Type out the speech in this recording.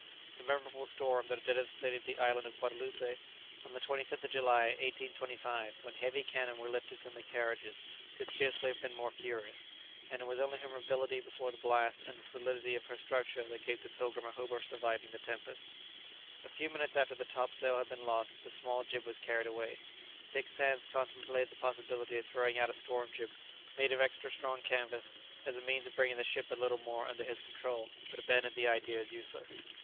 The memorable storm that had devastated the Island of Guadaloupe on the 25th of July, 1825, when heavy cannon were lifted from their carriages, could scarcely have been more furious, and it was only her mobility before the blast and the solidity of her structure that gave the "Pilgrim" a hope of surviving the tempest. A few minutes after the topsail had been lost, the small jib was carried away. Dick Sands contemplated the possibility of throwing out a storm jib, made of extra strong canvas, as a means of bringing the ship a little more under his control, but abandoned the idea as useless.